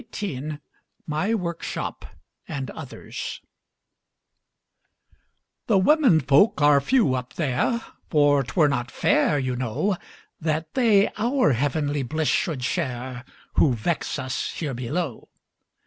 XVIII MY WORKSHOP AND OTHERS The women folk are few up there, For 't were not fair, you know, That they our heavenly bliss should share Who vex us here below!